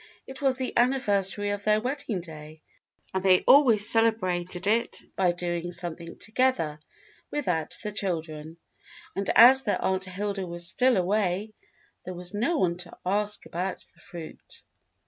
It was the anniversary of their wedding day, and they always celebrated it by doing something together without the children, and as their Aunt Hilda was still away there was no one to ask about the fruit.